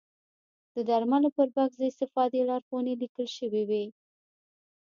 د درملو پر بکس د استفادې لارښوونې لیکل شوې وي.